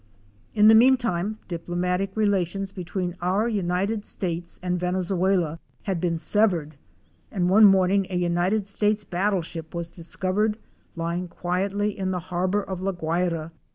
In the meantime diplomatic relations between our United States and Venezuela had been severed and one morning a United States battleship was discovered lying quietly in the harbor of La Guayra.